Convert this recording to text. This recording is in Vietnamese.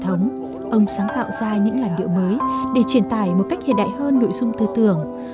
ông sáng tạo ra những làn điệu mới để truyền tải một cách hiện đại hơn nội dung tư tưởng